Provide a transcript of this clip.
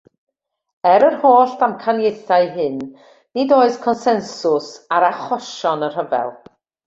Er yr holl ddamcaniaethau hyn, nid oes consensws ar achosion y Rhyfel.